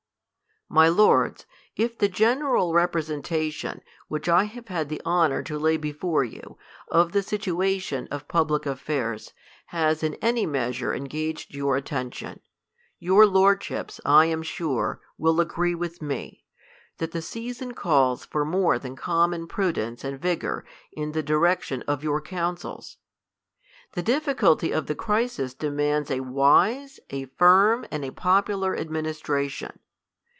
My lords, if the general representation, which I have had the honor to lay before you, of the situation of public affairs, has in any measure engaged your at tention, your lordships, I am sure, will agree with me, that the season calls for more than common prudence and vigour in the direction of your councils. The dif ficulty of the crisis demands a wise, a firm, and a pop ular administration.